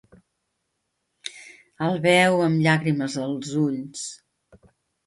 El veu amb llàgrimes als ulls.